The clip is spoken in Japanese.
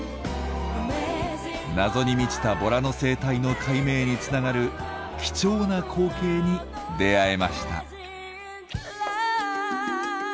謎に満ちたボラの生態の解明につながる貴重な光景に出会えました。